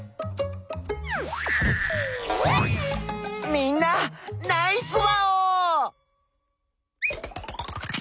みんなナイスワオー！